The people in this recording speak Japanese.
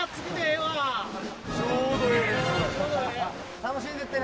楽しんでってね。